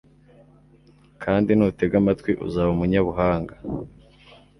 kandi nutega amatwi, uzaba umunyabuhanga